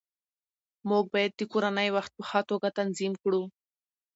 موږ باید د کورنۍ وخت په ښه توګه تنظیم کړو